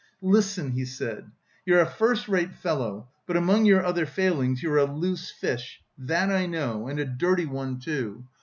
"Listen," he said, "you're a first rate fellow, but among your other failings, you're a loose fish, that I know, and a dirty one, too.